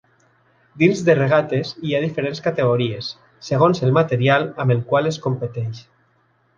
Dins de regates hi ha diferents categories, segons el material amb el qual es competeix.